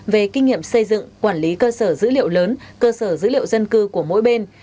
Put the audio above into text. về kinh nghiệm xây dựng quản lý cơ sở dữ liệu lớn cơ sở dữ liệu dân cư của mỗi bên